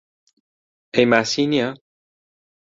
ئەی ماسی نییە؟